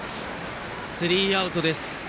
スリーアウトです。